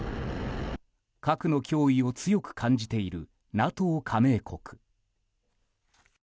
核の脅威を強く感じているＮＡＴＯ加盟国。